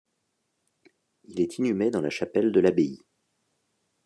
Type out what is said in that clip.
Il est inhumé dans la chapelle de l'abbaye.